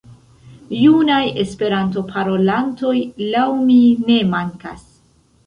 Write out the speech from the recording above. Junaj Esperanto-parolantoj laŭ mi ne mankas.